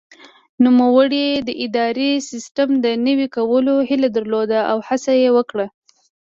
نوموړي د اداري سیسټم د نوي کولو هیله درلوده او هڅه یې وکړه.